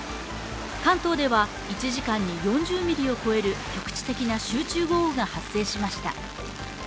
関東では１時間に４０ミリを超える局地的な集中豪雨が発生しました。